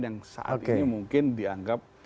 yang saat ini mungkin dianggap